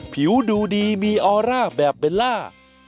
ผิวดูดีมีออร่าแบบเบลล่า